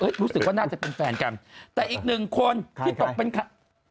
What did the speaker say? เอ๊ะรู้สึกว่าน่าจะเป็นแฟนกันแต่อีกหนึ่งคนใคร